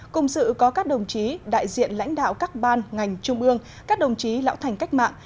cùng sự có các đồng chí đại diện lãnh đạo các ban ngành trung ương các đồng chí lão thành cách mạng